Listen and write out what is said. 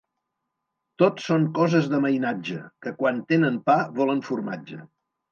Tot són coses de mainatge, que quan tenen pa volen formatge.